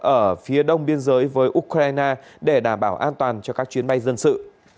ở phía đông biên giới với ukraine để đảm bảo an toàn cho các chuyến bay dân sự